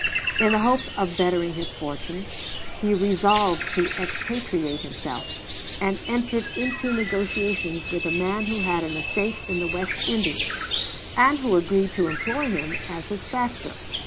In the hope of bettering his fortunes he resolved to expatriate himself, and entered into negotiations with a man who had an estate in the West Indies, and who agreed to employ him as his factor.